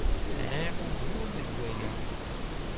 Sɛiɣ ugur deg waya.